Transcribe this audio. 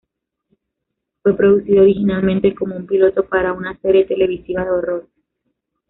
Fue producido originalmente como un piloto para una serie televisiva de horror.